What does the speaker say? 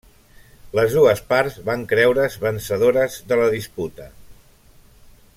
Les dues parts van creure's vencedores de la disputa.